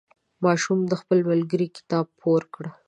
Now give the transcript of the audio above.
ماشوم د خپل ملګري کتاب پور کړ.